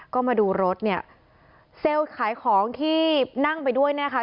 ก็มาดูรถเนี่ยเซลล์ขายของที่นั่งไปด้วยเนี่ยค่ะ